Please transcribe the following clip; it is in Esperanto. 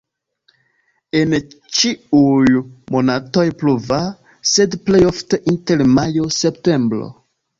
En ĉiuj monatoj pluva, sed plej ofte inter majo-septembro.